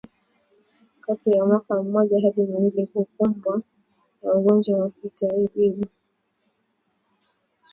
Ngombe wenye umri kati ya mwaka mmoja hadi miwili hukumbwa na ugonjwa wa kitabibu